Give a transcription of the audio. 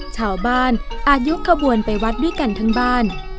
ชาวบ้านอายุขบวนไปวัดด้วยกันทั้งบ้าน